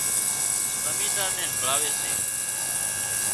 زمينۮار نين همڀۯاوي سي